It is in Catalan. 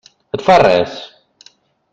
Et fa res?